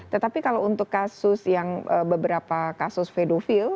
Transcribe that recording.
tetapi kalau untuk kasus yang beberapa kasus pedofil